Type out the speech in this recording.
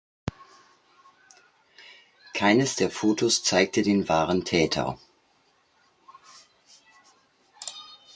Keines der Fotos zeigte den wahren Täter.